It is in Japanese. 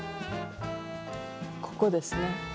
ここですね。